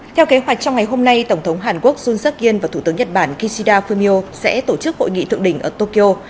theo kế hoạch trong ngày hôm nay tổng thống hàn quốc jun suk in và thủ tướng nhật bản kishida fumio sẽ tổ chức hội nghị thượng đỉnh ở tokyo